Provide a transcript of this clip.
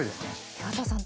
宮田さん